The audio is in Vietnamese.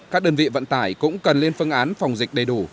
các đơn vị vận tải cũng cần lên phương án phòng dịch đầy đủ